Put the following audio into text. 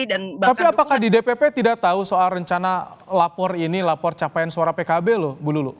tapi apakah di dpp tidak tahu soal rencana lapor ini lapor capaian suara pkb loh bu lulu